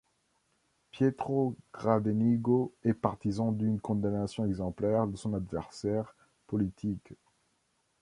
Pietro Gradenigo est partisan d'une condamnation exemplaire de son adversaire politique.